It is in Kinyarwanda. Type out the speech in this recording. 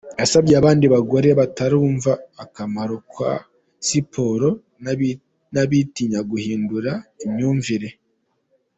Yasabye n’abandi bagore batarumva akamaro ka siporo n’abitinya guhindura imyumvire.